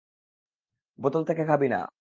বোতল থেকে খাবি না।